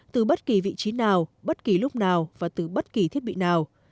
từ bất kỳ vị trí nào bất kỳ lúc nào và từ bất kỳ thiết bị nào